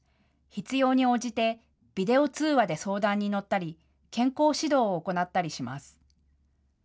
必要に応じてビデオ通話で相談に乗ったり健康指導を行ったりします。